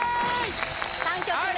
３曲目